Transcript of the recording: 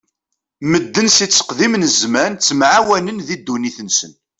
Medden si tteqdim n zzman ttemɛawanen di ddunit-nsen.